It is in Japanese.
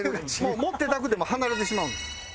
もう持っていたくても離れてしまうんです。